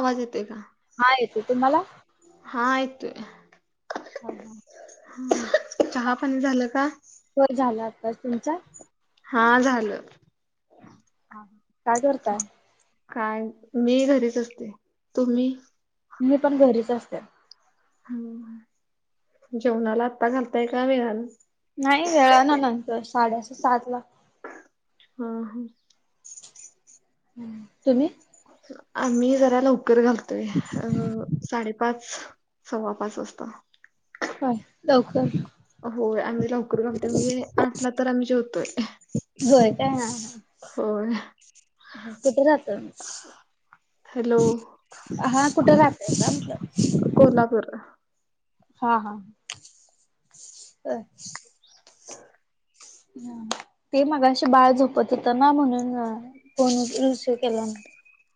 आवाज येतोय का? हा येतोय, तुम्हाला? हां येतोय. हां हां चहा पाणी झाल का? होय झाला आत्ताच. तुमचा? हा झाल. हा काय करताय? काय मी घरीच असते. तुम्ही? मी पण घरीच असते. ह जेवणाला आता घालताय का? वेळ लागल. नाही गं आणु नंतर साडेसहा सातला. हम्म हम्म तुम्ही? आम्ही जरा लवकर घालतोय अ साडे पाच सव्वा पाच वाजता. पाच लवकर. होय आम्ही लवकर गमते म्हणजे आठला तर आम्ही जेवतोय. होय काय. होय कुठे राहता? हॅलो हा कुठ राहतय म्हटल? कोल्हापूर हां हां ते मगाशी बाळ झोपत होेत ना म्हणून फोन उचलुन [unintelligible] केला.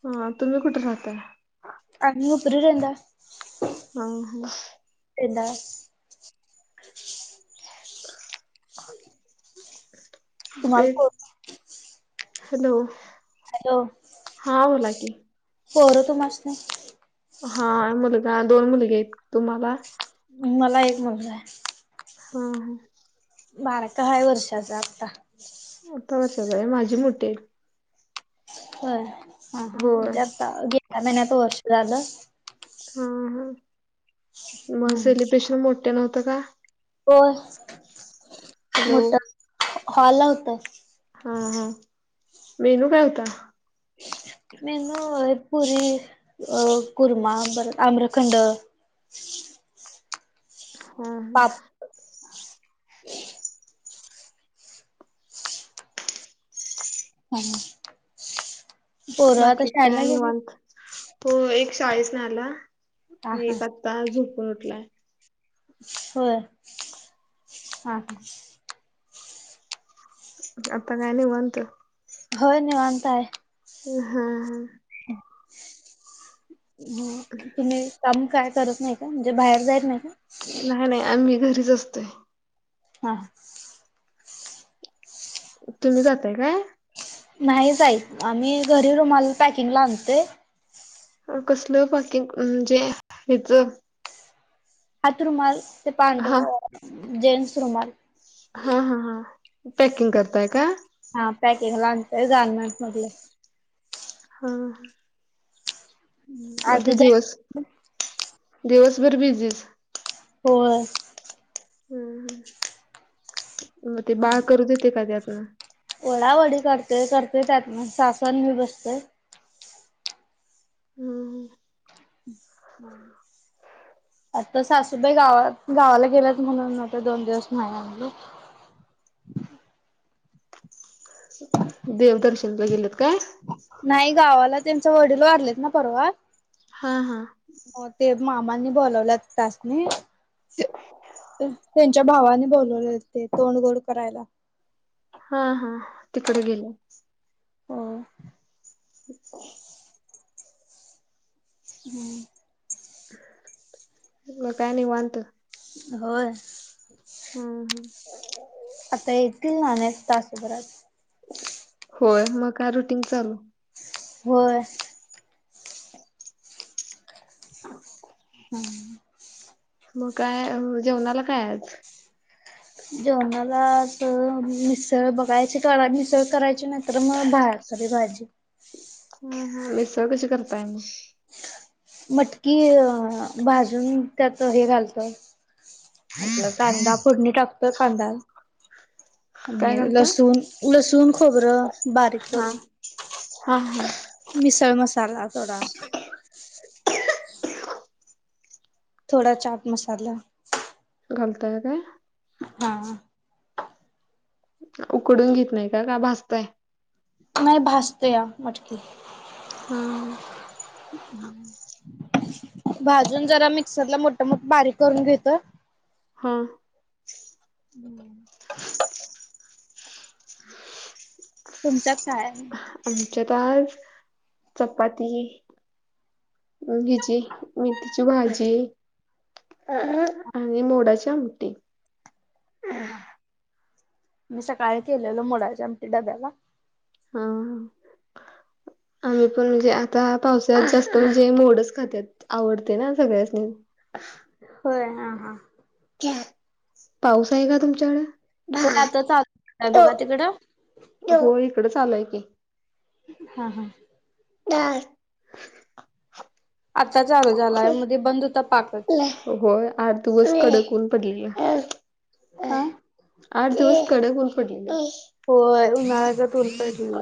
हां तुम्ही कुठे राहताय? आम्ही उपरी [unintelligible] हां हां त्यांना. [inaudible] ते तुम्हाला पोर हॅलो, हा बोला कि. पोर तूमासनी? हा मुलगा दोन मुलगे आहेत. तुम्हाला? मला एक मुलगा आहे. हां बारका हाय वर्षाचा आत्ता. तो वर्षाचा, माझी मोठी आहे. होय हा हा होय म्हणजे आता गेल्या महिन्यात वर्ष झाल. हा हा मग हम्म. सेलिब्रेशन मोठ नव्हत का? होय हॅलो मोठ हॉल ला होत. हा हा मेनू काय होता? मेनु पुरी अ कुरमा परत आम्रखंड. [inaudible] हा पाप हा ह पोर आता शाळेला गेला? होय एक शाळेतन आला हा आणि हा एक आत्ता झोपून उठलाय. होय हां हां आता काय निवांत. होय निवांत आहे. हा हा हो तुम्ही? काम काय करत नाही का? म्हणजे बाहेर जायच नाही का. नाही नाही आम्ही घरीच असतोय. हां तुम्ही जाताय काय? नाही जाई. आम्ही घरी रुमाला पॅकिंगला आणतोय. कसल पार्किंग? म्हणजे ह्याच हात रुमाल ते हा पांढर जेन्टस रुमाल. हा हा हां पॅकिंग करताय का? हा पॅकेंगला आणतोय गारमेंट मधले. हां आधी मध्ये जाई दिवस दिवसभर बिझीज. होय हम्म मग ते बाळ करू देतय का ते आता? वडावडी करतोय करतोय त्यात मग सासवा अन मी बसतोय. हम्म आता सासूबाई गावात गावाला गेल्यात म्हणून आता दोन दिवस नाही आणल. देव दर्शनला गेलेत काय? नाही गावाला त्यांचे वडील वारलेत ना परवा. हां हां हो ते मामाांनी बोलवलं त्यासनी. त्यांच्या भावाने बोलवले होते ते तोंड गोड करायला. हा हां तिकडे गेल्या. हो [inaudible] हम्म मग काय निवांत. होय हम् हम्म आता येतील ना एक तासाभरात. होय मग काय रुटींन चालू. होय हम्म मग काय जेवणाला काय आहे आज? जेवणाला अस मिसळ बघायची का मिसळ करायची. करायची नाही तर मग भाकरी भाजी. ह हा मिसळ कशी करताय मग? मटकी भाजून त्यात हे घालतो. आपला कांदा फोडणी टाकतोय कांदा काय आणि घालता? लसूण लसूण खोबरं बारीक हा करून. हा हां मिसळ मसाला थोडा. थोडा चाट मसाला. घालताय काय? हां हां उकडून घेत नाही का? का भाजताय. नाही भाजतेया मटकी. हा हां भाजून जरा मिक्सरला मोठमोठ बारीक करून घेत. हां हम्म तुमच्या काय आहे? आमच्यात आज चपाती, हिची मेथिची भाजी. अ आणि मोडाची आमटी. हा मी सकाळी केलेलो मुडाची आमटी डब्याला. हां [inaudible] आम्ही पण म्हणजे आता पावसाळ्यात जास्त म्हणजे मोडच खात्यात. आवडतय ना सगळ्यासनी. होय हा हां पाऊस आहे का तुमच्याकडे? होय आता चालू झालाय बघा. तिकड? हो इकड चालू आहे की. हा हां [unintelligible] आता चालू झालाय मध्ये बंद होता पाकच. होय आठ दिवस कडक ऊन पडलेल. हा. आठ दिवस कडक ऊन पडलेल. होय उन्हाळ्याच ऊन पडलेल.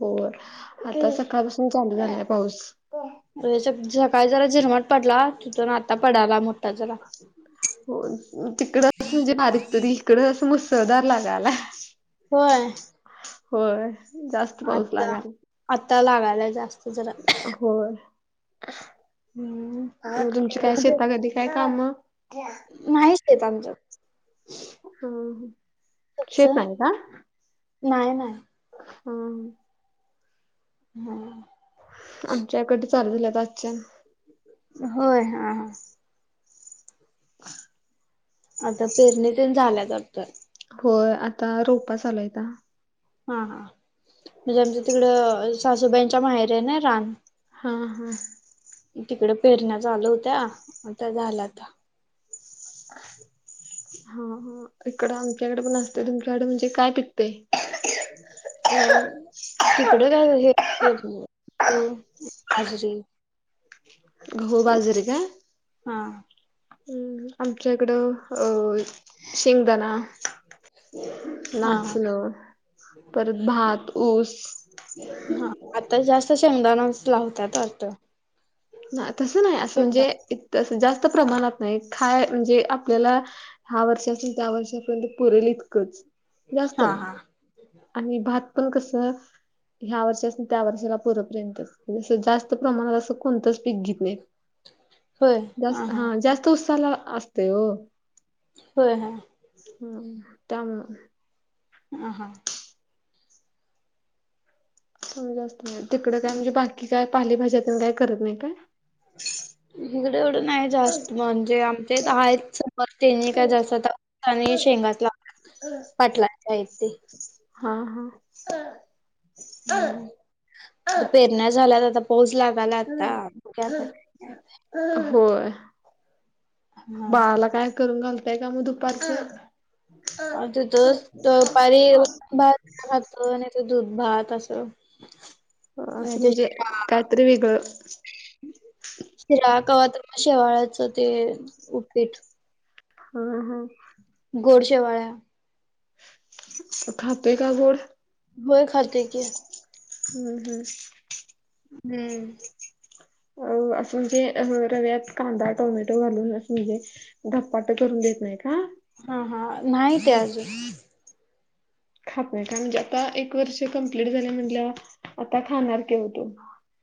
हो आता सकाळपासून चालू झालाय पाऊस. सकाळी जरा झिरमट पडला तिथून आता पडायला मग. हो तिकडच म्हणजे बारीक तरी इकड असा मुसळधार लागालाय. होय होय जास्त पाऊस आत्ता लागालाय. आता लागायलाय जास्त जरा. होय हम्म. [unintelligible] काय शेता [unintelligible] काय काम? नाहीच शेत आमच. शेत तुमचं? नाही का? नाही नाही. हां हम्म आमच्या इकडले चालू झाल्यात आजच्यान. होय? हां हां. [inaudible] आता पेरणीतेन झाल्यात वाटतं. होय आता रोपा चालू हाईता. हां हां म्हणजे आमचं तिकडं सासूबाईंच्या माहेरी आहे नाही रान. हां हां. तिकडे पेरण्या चालू होत्या आता झाल्यात. हां हां, इकडं आमच्याकडे पण असते तुमच्याकडे म्हणजे काय पिकतय? [inaudible] तिकडं काय हे [unintelligible] बाजरी. गहू, बाजरी काय? हा उम्म आमच्या इकडं अ शेंगदाणा हा हा नाचणं, परत भात, ऊस हां आता जास्त शेंगदाणाच लावत्यात वाटतं? नाही तसं नाही असं शेंगा म्हणजे जास्त प्रमाणात नाही, खाय म्हणजे आपल्याला ह्या वर्षासन त्या वर्षापर्यंत पुरेल इतकंच जास्त हा नाही. हा आणि भात पण कसं ह्या वर्षासन त्या वर्षाला पूरपर्यंतच म्हणजे जास्त प्रमाणात असं कोणतंच पिक घेत नाहीत. जास् हा जास्त उसाला असतय वो. होय [unintelligible] हम्म त्यामुळं. हां हां. तेवढं जास्त नाही, तिकड काय म्हणजे बाकी काय पाले भाज्या तेन काय करत नाही काय? [inaudible] हिकडं एवढं नाही जास्त, म्हणजे आमच्या इथं आहेत समोर तेनी काय जास्त आता आणि शेंगात लावतात, पाटलांची हायत ती. हां हां. हम्म हम्म पेरण्या झाल्यात आता पाऊस लागालाय आता [unintelligible] होय, हा बाळाला काय करून घालताय का मग दुपारचं? आमच्या इथ दुपारी वरण भात [unintelligible] नाही तर, दूध भात असं. आणि असं ते म्हणजे शिरा कायतरी वेगळं शिरा कवा तर म ते शेवाळ्याच ते उपीठ. हां हां. गोड शेवाळ्या. खातोय का गोड? होय खातोय की. हम्म हम्म. हम्म अ असं म्हणजे अ रव्यात कांदा, टोमॅटो घालूनं असं म्हणजे धपाट करून देत नाही का? हां हां, नाही ते अजून. खातोय का म्हणजे आता एक वर्ष कंप्लीट झालंय म्हटल्यावर आता खाणार की ओ तो.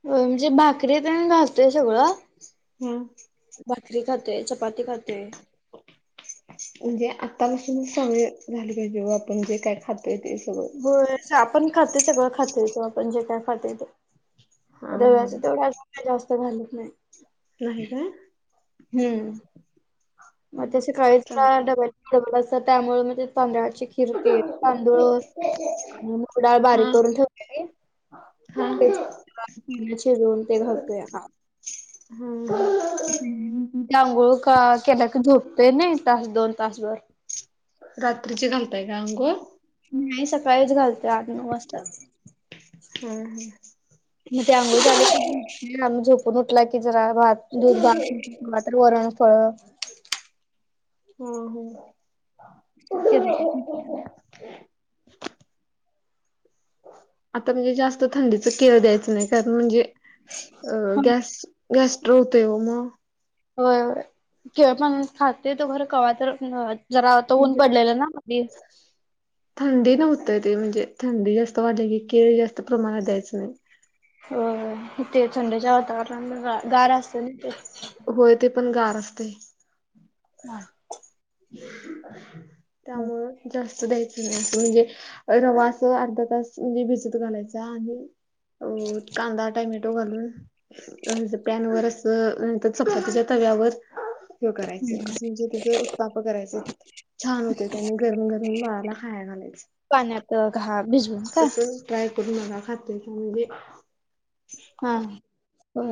होय म्हणजे भाकरीे तेण घालतोय सगळं हम्म. भाकरी खाते. चपाती खाते. म्हणजे आतापासून सवय झाली पाहिजे. [unintelligible] आपण जे काय खातोय ते सगळं. होय. जे आपण खातो, सगळं खातोय तो आपण जे काय खातोय ते. हा रव्याच हा तेवढं [unintelligible] जास्त घालत नाही. नाही काय? हम्म मग हम्म, ते सकाळीच चालतंय डबा, [unintelligible] त्यामुळे मी ते तांदळाची खीर- -ते. तांदूळ आणि मुगडाळ बारीक हा करून ठेवते. हा [unintelligible] शिजवून ते घालतेया. हा हम्म. हं. ती आंघोळ का केला का झोपतेय ना? तास दोन तासभर. रात्रीची घालताय का अंघोळ? नाही सकाळीच घालते आठ नऊ वाजता. हं. हं. हिची अंघोळ झाली- आम् झोपून उठला की जरा भात दूध भातंवा तर वरणफळ- हो. हो. [unintelligible] ह आत्ता म्हणजे जास्त थंडीच केळ द्यायच नाही. कारण म्हणजे अ गॅस- गॅस्ट्रो होतोय ओ म. होय. केळ पण खाते तोवर [unintelligible] जरा आता ऊन म्हणजे पडलेलं ना मधी? थंडी नव्हत ते. म्हणजे थंडी जास्त वाढली की केळ जास्त प्रमाणात द्यायचं नाही. होय. ते थंडच्या वातावरणा गार असत ना ते? होय ते पण गार असतंय. [inaudible] ते. त्यामुळें जास्त- द्यायचं नाही. अस म्हणजे रवा असं अर्धा तास म्हणजे भिजत घालायचा आणि- अ कांदा टोमॅटो घालून पॅनवरच - अ चपातीच्या तव्यावर हे करायचं. असं म्हणजे त्याच- काप करायचे. छान होते त्याने. गरम गरम बाळाला खाया घालायच. पाण्यात घ भिजवून का? ट्राय करून मला खाते कि ते म्हणजे - हा. हो.